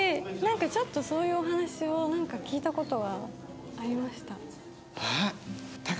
ちょっとそういうお話を聞いた事はありました。